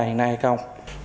hiện nay không biết